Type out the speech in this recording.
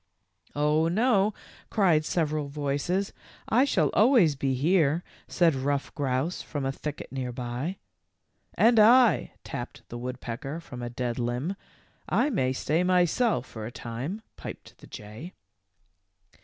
" Oh, no," cried several voices. " I shall al ways be here," said Ruff Grouse from a thicket near by. ?r And I," tapped the woodpecker from a dead limb. "I may stay myself for a time," piped the jay.